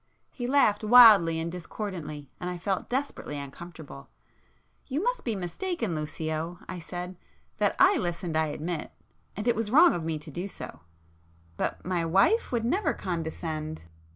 He laughed wildly and discordantly, and I felt desperately uncomfortable. "You must be mistaken Lucio—" I said—"That I listened I admit,—and it was wrong of me to do so,—but my wife would never condescend